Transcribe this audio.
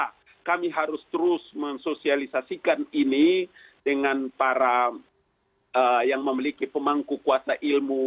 nah kami harus terus mensosialisasikan ini dengan para yang memiliki pemangku kuasa ilmu